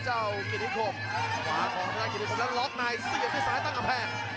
เจ้ากินิคมขวาของทางกินิคมแล้วล็อคนายเสียด้วยซ้ายตั้งกับแพง